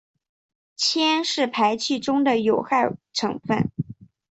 铅是排气中的有害成分。